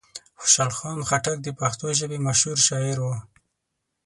خوشحال خان خټک د پښتو ژبې مشهور شاعر و.